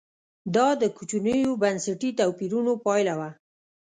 دا د کوچنیو بنسټي توپیرونو پایله وه.